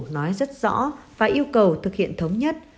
nói rất rõ và yêu cầu thực hiện thống nhất